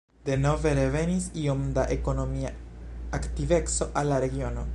Denove revenis iom da ekonomia aktiveco al la regiono.